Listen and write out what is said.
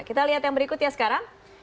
kita lihat yang berikut ya sekarang